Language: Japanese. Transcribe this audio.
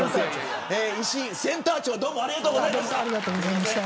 石井センター長どうもありがとうございました。